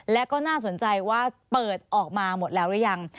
และก็น่าสนใจว่าเปิดออกมาหมดแล้วหรือยัง